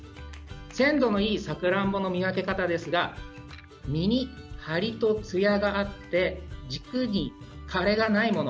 鮮度のいいさくらんぼの見極め方ですが実に、はりとつやがあって軸に枯れがないもの。